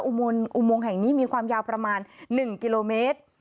อุโมงแห่งนี้มีความยาวประมาณ๑กิโลเมตร